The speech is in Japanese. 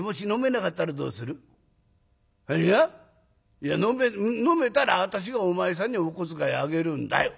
「いや飲めたら私がお前さんにお小遣いあげるんだよ。